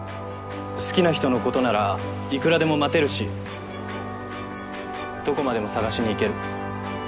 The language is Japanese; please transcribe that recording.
好きな人のことならいくらでも待てるしどこまでも捜しに行ける。